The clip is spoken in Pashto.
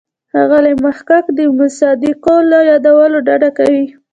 ښاغلی محق د مصادقو له یادولو ډډه کوي.